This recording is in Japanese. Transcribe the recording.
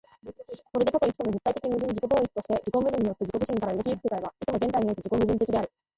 それで多と一との絶対矛盾的自己同一として、自己矛盾によって自己自身から動き行く世界は、いつも現在において自己矛盾的である。